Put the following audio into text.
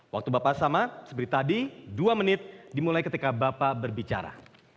waktu bapak sama seperti tadi dua menit dimulai ketika bapak berbicara